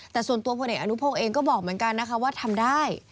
แต่ส่วนตัวพลเอกอนุพงศ์เองก็บอกเหมือนกันนะคะว่าทำได้